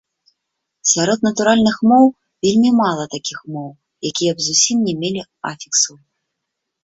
Сярод натуральных моў вельмі мала такіх моў, якія б зусім не мелі афіксаў.